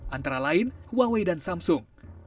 antara lain huangwe dan samsung